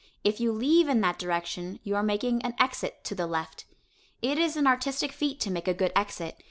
If you leave in that direction, you are making an exit to the left. It is an artistic feat to make a good exit.